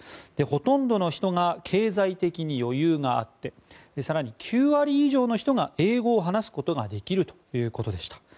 ほとんどの人が経済的に余裕があって更に９割以上の人が英語を話すことができるということでした。